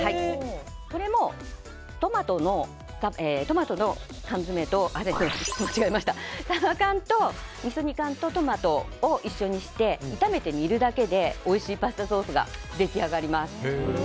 これも、サバのみそ煮缶とトマトを一緒にして炒めて煮るだけでおいしいパスタソースが出来上がります。